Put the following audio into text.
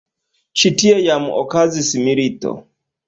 Ĉi tie jam okazis milito.